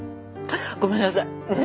ごめんなさい。